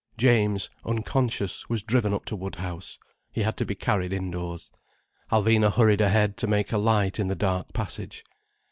James, unconscious, was driven up to Woodhouse. He had to be carried indoors. Alvina hurried ahead to make a light in the dark passage.